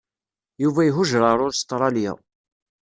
Yuba ihujeṛ ar Ustṛalya.